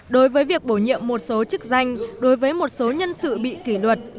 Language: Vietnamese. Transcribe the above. đối với việc bổ nhiệm một số chức danh đối với một số nhân sự bị kỷ luật